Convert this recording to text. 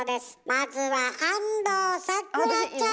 まずは安藤サクラちゃん！